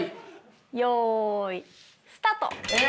よいスタート！え！